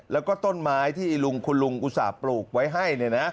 แล้วก็ต้นไม้ที่คุณลุงอุตส่าห์ปลูกไว้ให้